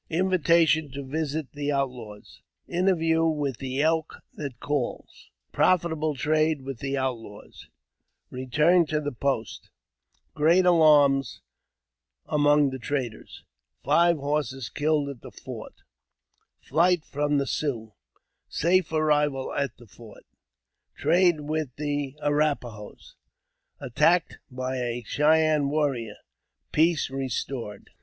Invitation to visit the Outlaws — Interview with " the Elk that Calls Profitable Trade with the Outlaws — Return to the Post — Great Alarm among the traders — Five Horses killed at the Fort — Flight from thdj Siouxs — Safe arrival at the Fort — Trade with the Arrap a hos Attacked by a Cheyenne Warrior — Peace restored.